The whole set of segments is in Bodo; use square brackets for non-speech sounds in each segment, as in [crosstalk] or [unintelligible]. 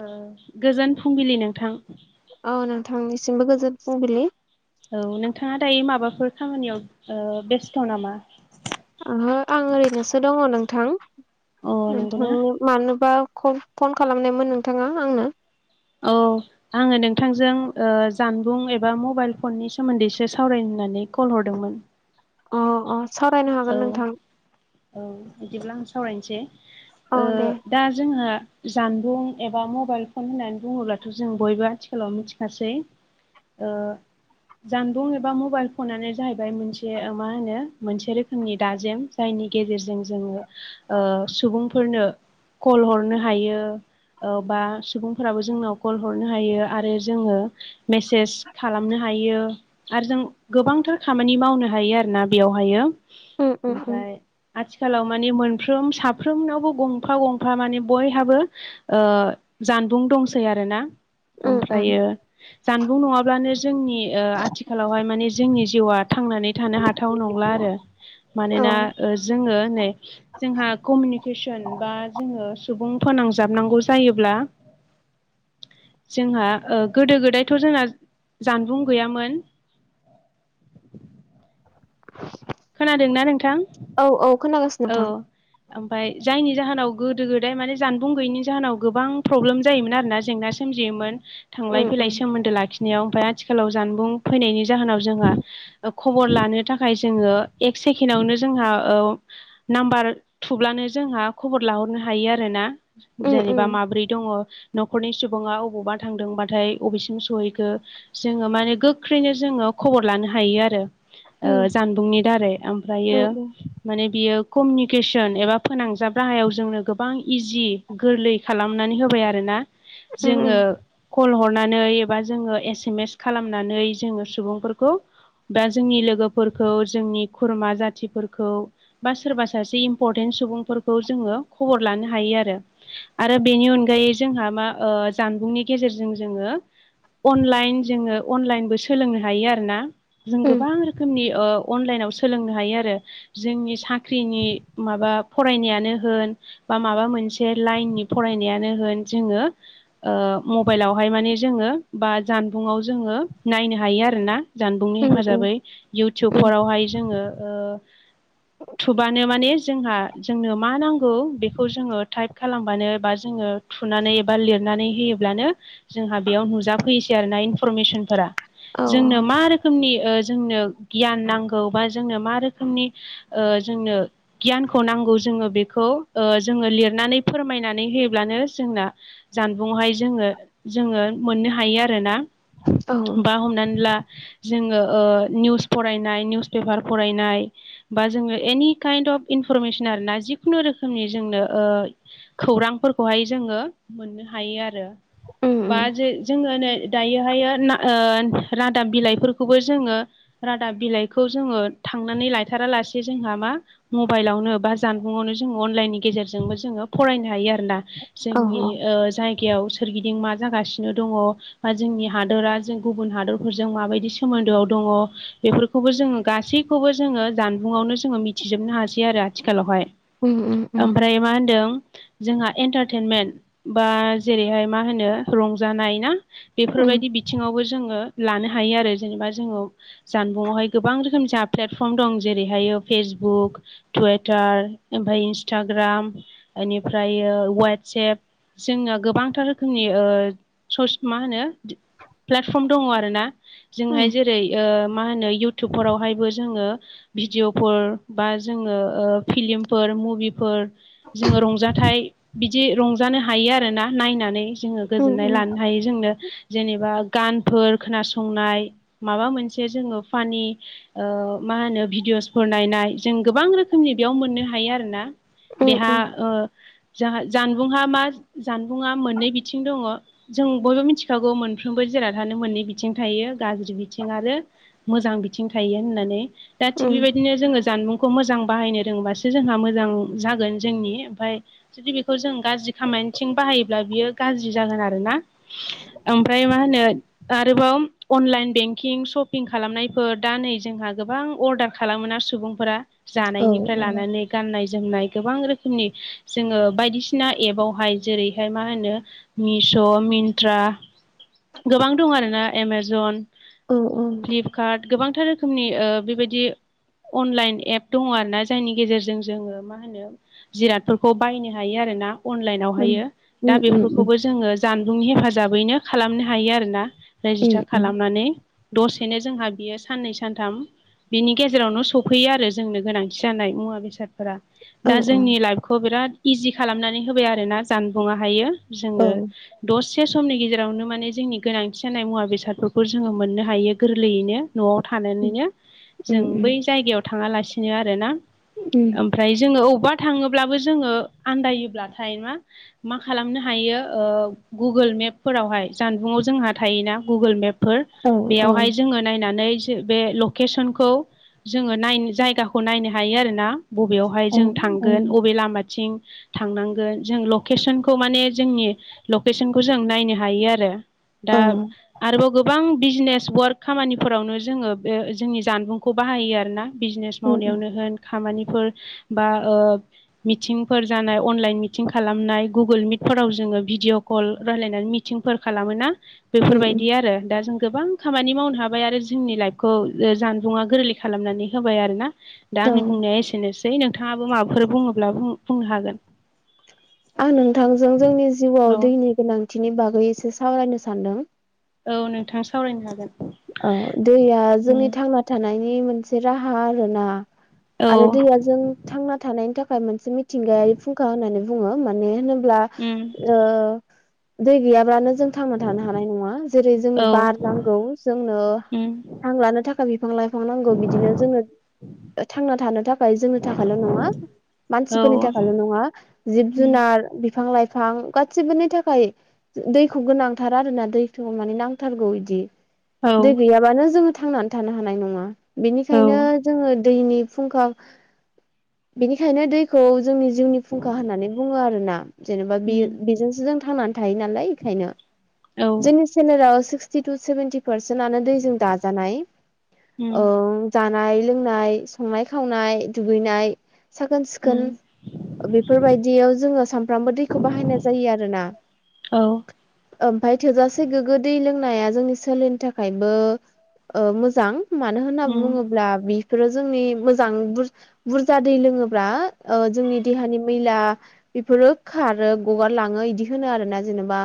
ओ गोजोन फुंबिलि नोंथां। औ नोंथांनिसिमबो गोजोन फुंबिलि। औ नोंथाङा दायो माबाफोर खामानियाव बेस्थ' नामा? ओहो आं ओरैनोसो दङ नोंथां। अ नंगौना नोंथांनि मानोबा फन खालामनायमोन नोंथाङा आंनो? औ, आङो नोंथांजों जानबुं एबा मबाइल फननि सोमोन्दैसो सावरायनो कल हरदोंमोन। अ अ सावरायनो औ हागोन नोंथां। औ बिदिब्ला आं सावरायनोसै। औ ओ दे दा जोंहा जानबुं एबा मबाइल फन होननानै बुङोब्लाथ' जों बयबो आथिखालाव मिथिखासै ओ जानबुं एबा मबाइल फनानो जाहैबाय मोनसे मा होनो मोनसे रोखोमनि दाजेम जायनि गेजेरजों जोङो। ओ सुबुंफोरनो कल हरनो हायो ओ बा सुबुं फोराबो जोंनाव कल हरनो हायो। आरो जोङो मेसेज खालामनो हायो। आरो जों गोबांथार खामानि मावनो हायो। आरोना बेयावहायो। उम उम उम ओमफ्राय आथिखालाव माने मोनफ्रोम साफ्रोमनावबो गंफा गंफा माने बयहाबो ओ जानबुं दंसै आरोना उम उम ओमफ्रायो जानबुं नङाबा लानो जोंनि आथिखालावहाय माने जोंनि जिउआ थांनानै थानो हाथाव नंला आरो। मानोना ओ जोङो नै जोंहा कमिउनिकेसन बा जोङो। सुबुं फोनांजाबनांगौ जायोब्ला जोंहा गोदो गोदायथ' जोंना जानबुं गैयामोन। [unintelligible] खोनादोंना नोंथां? औ औ खोनागासिनो औ। नोंथां ओमफफ्राय जायनि जाहोनाव गोदो गोदाय माने जानबुं गैयिनि जाहोनाव गोबां प्रब्लेम जायोमोन आरोना जेंनासि सोमजियोमोन थांलाय उम फैलाय उम सोमोन्दो लाखिनायाव ।ओमफ्राय आथिखालाव जानबुं फैनायनि जाहोनाव जोंहा खबर लानो थाखाय जोङो एक सेकेणडआवनो जोंहा नाम्बार थुब्लानो जोंहा खबर लाहरनो हायो। आरोना उम जेनेबा माब्रै दङ' न'खरनि सुबुङा अबावबा थांदोंबाथाय बबेसिम सहैखो जोंङो माने गोख्रैनो जोंङो खबर लानो हायो आरो। ओ उम जानबुंनि दारै ओमफ्रायो उम उम माने बियो कमिउनिकेसन एबा फोनांजाब राहायाव जोंनो गोबां इजि गोरलै खालामनानै होबाय आरोना। उम जोङो उम कल हरनानै दा जोंङो एस एम एस खालामनानै जोंङो सुबुंफोरखौ दा जोंनि लोगोफोरखौ जोंनि खुरमा जाथिफोरखौ बा सोरबा सासे इम्पर्टेन्ट सुबुंफोरखौ जोंङो खबर लानो हायो आरो। आरो बेनि अनगायै जोंहा मा ओ जानबुंनि गेजेरजों जोंङो अनलाइन जोंङो अनलाइनबो सोलोंनो हायो आरोना जों उम गोबां रोखोमनि ओ अनलाइनाव सोलोंनो हायो आरो। जोंनि साख्रिनि माबा फरायनायानो होन बा माबा मोनसे लाइननि फरायनायानो होन जोंङो ओ मबाइलावहाय माने जोंङो बा जानबुङाव जोंङो नायनो हायो आरोना जानबुंनि उम उम उम हेफाजाबै इउटुब उम बेवहाय जोंङो ओ थुबानो माने जोंहा जोंनो मा नांगौ बेखौ जोंङो टाइप खालामबानो बा जोंङो थुनानै एबा लिरनानै होयो ब्लानो जोंहा बेयाव नुजाफैयोसै आरो ना इनफरमेसनफोरा औ जोंनो मा रोखोमनि ओ जोंनो गियान नांगौ बा जोंनो मा रोखोमनि ओ जोंनो गियानखौ नांगौ जोंङो बेखौ ओ जोङो लिरनानै फोरमायनानै होयोब्लानो जोंना जानबुंआवहाय जोंङो जोंङो मोननो हायो आरोना। औ बा हमनानै ला जोंङो ओ निउस फरायनाय निउस पेपार फरायनाय बा जोंङो एनि काइन्ड अफ इनफरमेसन आरोना जिखुनु रोखोमनि जोंनो ओ खौरांफोरखौहाय जोंङो मोननो हायो आरो। उम बा उम जे जोंङो नै दायो हायो ना ओ रादाब बिलाइफोरखौबो जोंङो रादाब बिलाइखौ जोंङो थांनानै लायथारालासे जोंहा मा मबाइलावनो बा जानबुङावनो जों अनलाइननि गेजेरजोंबो जोंङो फरायनो हायो आरोना। औ जोंनि औ ओ जायगायाव सोरगिदिं मा जागासिनो दङ बा जोंनि हादरा जों गुबुन हादरफोरजों माबायदि सोमोन्दोआव दङ बेफोरखौबो जोंङो गासैखौबो जोंङो जानबुंआवनो जोंङो मिथिजोबनो हासै आरो आथिखालावहाय। उम उम उम ओमफ्राय मा होनदों जोंहा एन्टारटेनमेन्ट बा जेरैहाय मा होनो रंजानाय ना? उम बेफोरबायदि बिथिङावबो जोंङो लानो हायो आरो जेनेबा जोंङो जानबुंआवहाय गोबां रोखोम जहा प्लेटफर्म दं जेरैहायो फेसबुक टुइटार ओमफ्राय इन्सटाग्राम बेनिफ्राय वाट्सेएप जोंना गोबांथार रोखोमनि ओ सस मा होनो प्लेटफर्म दङ आरोना। उम जोंहाय जेरै ओ मा होनो इउटुबफोरावहायबो जोंङो भिडिअफोर बा जोंङो ओ फिलिमफोर मुभिफोर जोंङो रंजाथाइ बिदि रंजानो हायो आरोना नायनानै। जोंङो उम गोजोननाय लानो हायो जोंनो जेनेबा गानफोर खोनासंनाय माबा मोनसे जे जोंङो फानि ओ मा होनो भिडिय'सफोर नायनाय जों गोबां रोखोमनि बेयाव मोननो हायो आरोना। उम बेहा उम ओ जा जानबुंहा मा जानबुङा मोननै बिथिं दङ। जों बयबो मिथिखागौ मोनफ्रोमबो जिराथानो मोननै बिथिं थायो। गाज्रि बिथिं आरो मोजां बिथिं थायो होननानै दा थिग उम बेबायदिनो जोंङो जानबुं खौ मोजां बाहायनो रोंबासो जोंहा मोजां जागोन जोंनि ओमफ्राय जुदि बेखौ जों गाज्रि खामानिथिं बाहायोब्ला बियो गाज्रि जागोन आरो ना। ओमफ्राय मा होनो आरोबाव अनलाइन बेंकिं सप सपिं खालामनायफोर दा नै जोंहा गोबां अर्डार खालामोन आरो सुबुंफोरा औ जानायनिफ्राय लानानै गाननाय जोमनाय गोबां रोखोमनि जोङो बायदिसिना एपआवहाय जेरैहाय मा होनो मिश' मिन्त्रा गोबां दं आरोना एमाजन औ औ। फ्लिपकार्ट गोबांथार रोखोमनि ओ बेबायदि अनलाइन एप दङ आरो ना जायनि गेजेरजों जोङो मा होनो जिरादफोरखौ बायनो हायो आरोना। अनलाइनावहायो उम दा उम उम बेफोरखौबो जोङो जानबुंनि हेफाजाबैनो खालामनो हायो आरोना। उम रेजिस्टार उम खालामनानै दसेनो जोंहा बियो साननै सानथाम बिनि गेजेरावनो सफैयो आरो जोंनो गोनांथि जानाय मुवा बेसाद फोरा औ दा औ जोंनि लाइफखौ बिराद इजि खालामनानै होबाय आरोना जानबुंङाहायो। औ जोङो दसे समनि गेजेरावनो माने जोंनि गोनांथि जानाय मुवा बेसादफोरखौ जोङो मोनो हायो गोरलैयैनो न'आव थानानैनो उम जों उम बै जायगायाव थाङालासिनो आरोना। उम ओमफ्राय जोङो बबेबा थाङोब्लाबो जोङो आन्दायोब्लाथाय मा मा खालामनो हायो ओ गुगोल मेपफोरावहाय जानबुङाव जोंहा थायोना गुगोल मेपफोर औ बेयावहाय जोङो नायनानै बे लकेसनखौ जोङो नायनो जायगाखौ नायनो हायो आरोना। बबेयावहाय औ जों थांगोन अबे लामाथिं थांनांगोन जों लकेसनखौ माने जोंनि लकेसनखौ जों नायनो हायो आरो। दा औ आरोबाव गोबां बिजनेस वार्क खामानिफोरावनो जोङो बे जोंनि जानबुंखौ बाहायो आरोना बिजनेस उम उम मावनायावनो होन खामानिफोर बा ओ मिटिंफोर जानाय अनलाइन मिटिं खालामनाय गुगोल मिटफोराव जोङो भिडिअ' कल राय्लायनानै मिथिंफोर खालामोोना उम बेफोरबायदि आरो दा जों गोबां खामानि मावनो हाबाय आरो जोंनि लाइफखौ ओ जानबुङा गोरलै खालामनानै होबाय आरोना। दा औ आंनि बुंनाया एसेनोसै नोंथाङाबो माबाफोर बुङोब्ला बुं-बुंनो हागोन। आं नोंथांजों जोंनि जिउआव औ दैनि गोनांथिनि बागै एसे सावरायनो सानदों। औ नोंथां सावरायनो हागोन। औ दैया जोंनि उम थांना थानायनि मोनसे राहा आरोना औ आरो दैयाजों थांना थानायनि थाखाय मोनसे मिथिंगायारि फुंखा होननानै बुङो माने होनोब्ला उम ओ दै गैयाब्लानो जों थांना थानो हानाय नङा। जेरै जोंनो औ बार नां गौ जोंनो उम हां लानो थाखाय बिफां लाइफां नांगौ बिदिनो जोंनो थांना थानो थाखाय जोंनि थाखायल' नङा औ मानसिफोरनि थाखायल' नङा जिब उम जुनार बिफां लाइफां गासिबोनि थाखाय दैखौ गोनांथार आरोना दैखौ माने नांथारगौ बिदि। औ दै गैयाबानो जोङो थांनानै थानो हानाय नङा। औ बेनिखायनो जोङो दैनि फुंखा बेनिखायनो दैखौ जोंनि जिउनि फुंखा होननानै बुङो आरो ना जेनेबा बेयो उम बेजोंसो जों थांनानै थायो नालाय इखायनो। औ जोंनि सोलेराव सिक्सटि टु सेभेन्टी पारसेनानो दैजों दाजानाय उम ओ जानाय लोंनाय संनाय खावनाय दुगैनाय साखोन उम सिखोन बेफोरबायदियाव जोङो सानफ्रामबो दैखौ बाहायनाय जायो आरो ना। औ ओमफ्राय थोजासे गोग्गो दै लोंनाया जोंनि सोले थाखायबो ओ मोजां मानो होनना उम बुङोब्ला बि फोरो जोंनि मोजां बुरजा दै लोङोब्ला जोंनि देहानि मैला बेफोरो खारो गगार लाङो इदि होनो आरो ना जेनेबा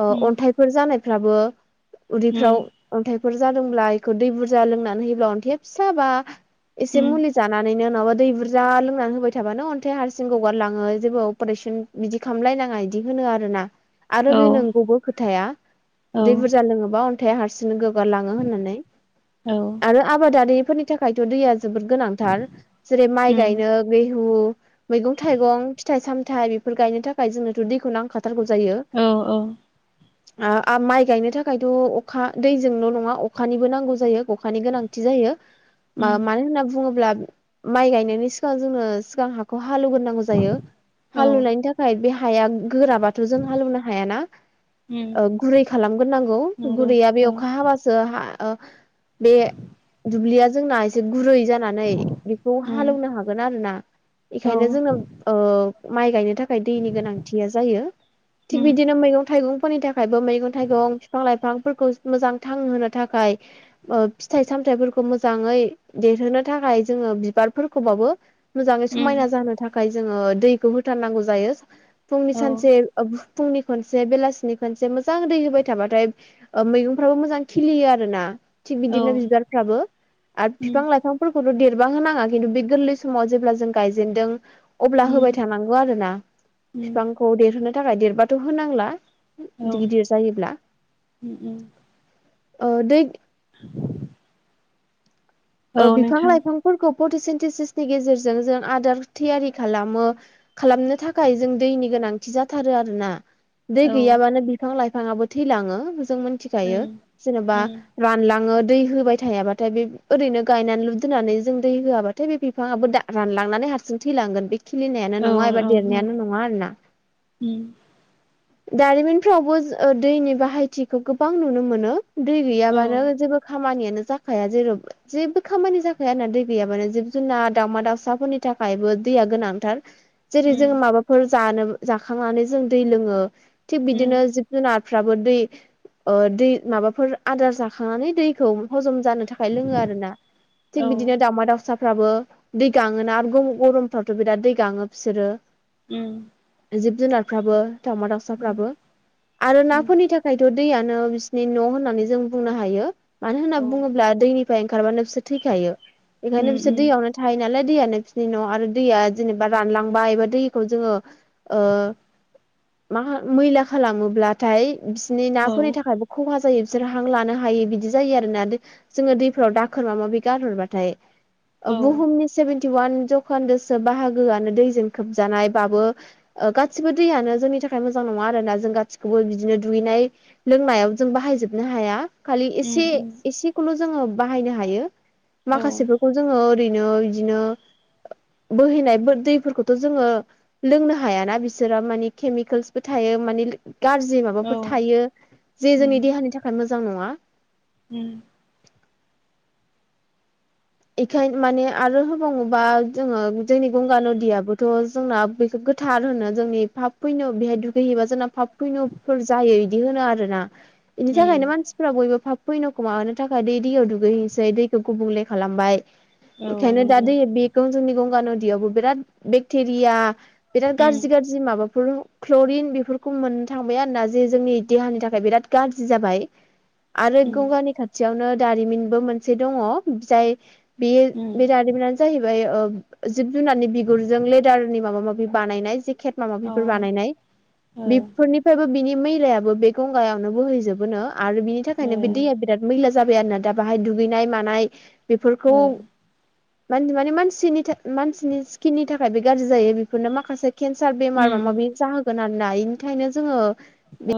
ओ उम अन्थाइफोर जानायफ्राबो उम उदैफ्राव अन्थाइफोर जादोंब्ला बेखौ दै बुरजा लोंनानै होयोब्ला अन्थेया फिसाबा एसे उम मुलि जानानैनो नङाबा दै बुरजा लोंनानै होबाय थाबानो अन्थाइ हारसिं ग'गारलाङो जेबो अपारेसन बिदि खालामलायनाङा बिदि होनो आरो ना आरो औ बे नोंगौबो खोथाया औ दै बुरजा लोङोबा अन्थाइआ हारसिंनो गोगारलाङो होननानै। औ। आरो आबादारिफोरनि थाखायथ' दैया जोबोद गोनांथार जेरै माइ उम गायनो बैहु मैगं थाइगं फिथाइ सामथाइ बेफोर गायनो थाखाय जोंनोथ' दैखौ नांखाथारगौ जायो। औ औ। आ-आ माइ गायनो थाखायथ' खा दैजोंल' नङा अखानिबो नांगौ जायो अखानि गोनांथि जायो। उम मा-मानो होनना बुङोब्ला माइ गायनायनि सिगाङाव जोङो सिगां हाखौ हालेवगोनां नांगौ जायो औ हालौनायनि थाखाय बे हाया गो-गोराबाथ' जों हालौनो हायाना उम गुरै खालामग्रा नांगौ। नंगौ गुरैया बे औ अखा हाबासो हा ओ बे दुब्लिया जोंना एसे गुरै जा नानै बिखौ उम हालौनो हागोन आरोना औ एखायनो जोङो ओ माइ गायनो थाख खाय दैनि गोनांथिया जायो थिग उम बिदिनो मैगं थाइगंफोरनि थाखायबो मैगं थाइगं फिफां लाइफ फांफोरखौ मोजां थां होनो थाखाय ओ फिथाइ सामथाइफोरखौ मोजाङै देरहोनो थाखाय जोङो बिबारफोरखौबाबो मोजाङै उम समायना जानो थाखाय जोङो दैखौ होथारनांगौ जायो फुंनि औ सानसे ओ बु फुंनि खनसे बेलासिनि खनसे मोजां दै होबाय थाबाथाय ओ मैगंफ्राबो मोजां खिलियो आरो ना थिग औ बिदिनो बिबारफ्राबो आर उम बिफां लाइफांफोरखौथ' देरबा होनाङा खिन्थु बे गोरलै समाव जेब्ला जों गायजेनदों अब्ला होबाय उम थानांगौ आरोना उम फिफांखौ देरहोनो थाखाय देरबाथ' होनांला औ गिदिर गिदिर जायोब्ला उम उम‌। अ दैे [inaudible] औ ओ बिफां नोंथां लाइफांफोरखौ फटिसेनटिसिसनि गेजेरजों जों आदार थियारि खालामो खालामनो थाखाय जों दैनि गोनांथि जाथारो आरोना दै औ गैयाबानो बिफां लाइफाङाबो थैलाङो जों मोनथिखायो उम जेनेबा उम रानलाङो दै होबाय थायाबाथाय बे ओरैनो गायनानै लुदोननानै जों दै होआबाथाय बे बिफांआबो रानलांनानै हारसिं थैलांगोन बे खिलिनायानो औ नङा एबा औ नंगौ देरनायानो नङा आरोना। उम दारिमिनफ्रावबो जो ओ दैनि बाहायथिखौ गोबां नुनो मोनो। दै औ गैयाबानो उम जेबो खामानियानो जाखाया जेरावबो जेबो खामानि जाखाया आरोना दै गैयाबानो जिब जुनार दावउमा दाउसाफोरनि थाखायबो दैया गोनांथार जेरै जोङो माबाफोर जानोब जाखांनानै जों दै लोङो थिग बिदिनो उम जिब जुनारफ्राबो दै ओ दै माबाफोर आदार जाखांनानै दैखौ हजम जानो थाखाय लोङो आरोना थिग औ बिदिनो दाउमा दाउसा फ्राबो दै गाङोना आरो गं गरमफ्रावथ' बिराद दै गाङो बिसोरो उम जिब जुनारफ्राबो दावमा उम दावसाफ्राबो आरो नाफोरनि थाख खायथ' दैआानो बिसिोरनि न' होननानै जों बुंनो हायो मानो होनना औ बुङोब्ला दैनि फाय ओंखारबानो बिसोर थैखायो उम ओंखायनो बिसोर उम दैयावनो थायो नालाय दैया नोंसिनि न' आरो दैया जेनेबा रानलांबाय एबा दैखौ जोङो ओ मा मैला खालामोब्लाथाय बिसिनि औ नाफोरनि थाखायबो खहा जायो बिसोर हां लानो हायो बिदि जायो आरो ना जोङो दै फ्राव दाखोर मा माबि गारहरबाथाय ओ बुहुमनि सेभेेनटि वान जखान्दोसो बाहागोआनो दैजों खोबजानाय बाबो ओ गासिबो दैयानो जोंनि थाखाय मोजां नङा आरोना जों गासिखौबो बिदिनो दुगैनाय लोंनायाव जों बाहायजोबनो हाया। खालि उम एसे औ एसेखौल' जोङो बाहायनो हायो माखासेफोरखौ जोङो ओरैनो बिदिनो बोहैनाय दैफोरखौथ' जोङो लोंनो हायाना बिसोरा मानि केमिकेल्सबो थायो मानि गाज्रि औ माबाफोर थायो जे जोंनि देहानि थाखाय मोजां नङा। हम एखाय माने आरो हबावङोबा जोङो जोंनि गंगा नदियाबोथ' जोंना बेखौ गो थार होनो जोंनि फाब फैनो बेहाय दुगैहैबा जोंना फाब फैनोफोर जायो इदि होनो आरोना। एनि थाखायनो उम मानसिफ्रा बयबो फाब फुइन'खौ माबानो थाखाय दे दैयाव दुगै हैैसै दैखौ गुबुंले खालामबाय औ इखायनो दा नंगौ दै बि जोंनि गंगा नदियावबो बिराद बेक्टेरिया बिराद उम गाज्रि गाज्रि माबाफोर क्ल'रिन बेफोरखौ मोननो थांबाय आरोना जे जोंनि देहानि थाखाय बिराद गारजि जाबाय आरो उम गंगानि खाथियावनो दारिमिनबो मोनसे दङ जाय बेयो उम बिराद [unintelligible] जाहैबाय ओ जिब जुनारनि बिगुरजों लेदारनि माबा माबि बानायनाय जे खेट माबा अ ओ माबिफोर बानायनाय ओ बेफोरनिफ्रायबो बिनि मैलायाबो बे गंगायावनो बोहैजोबोनो आरो बिनि थाखायनो बे दैया बिराद मैला जाबाय आरो ना दा बाहाय दुगैनाय मानाय बेफोरखौ ओ मान माने मानसिनि था मानसिनि स्किननि थाखायबो गारजि जायो बेफोरनो माखासे केन्सार बेमार उम माबा माबि जाहोगोन आरोना इनिखायनो जोङो औ